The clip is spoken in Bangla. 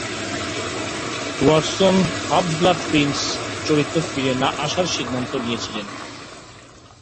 ওয়াটসন "হাফ-ব্লাড প্রিন্স" চলচ্চিত্রে ফিরে না আসার সিদ্ধান্ত নিয়েছিল।